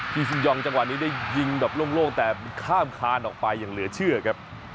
ีซูยองจังหวะนี้ได้ยิงแบบโล่งแต่มันข้ามคานออกไปอย่างเหลือเชื่อครับ